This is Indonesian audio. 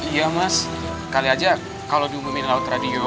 iya mas kali aja kalau diumumin laut radio